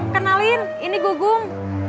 kenalin ini gugung